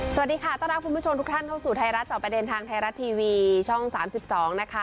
สวัสดีค่ะต้อนรับคุณผู้ชมทุกท่านทดสอบประเด็นทางไทยรัฐทีวีช่องสามสิบสองนะคะ